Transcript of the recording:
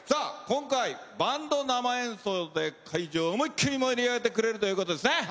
今回、バンド生演奏で会場を思いっきり盛り上げてくれるそうですね。